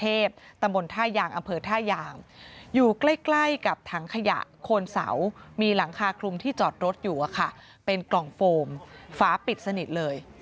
ออกรถอยู่อ่ะค่ะเป็นกล่องโฟมฝาปิดสนิทเลย